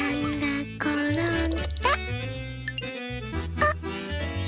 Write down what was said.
あっ！